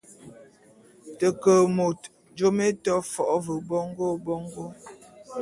Te ke môt…jôm é to fo’o ve bongô bongô.